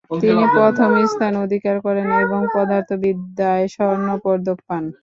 তিনি প্রথম স্থান অধিকার করেন এবং পদার্থবিদ্যায় স্বর্ণপদক পান।